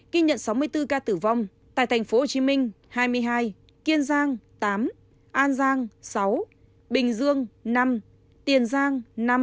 ghi nhận sáu mươi bốn ca tử vong tại tp hcm hai mươi hai kiên giang tám an giang sáu bình dương năm tiền giang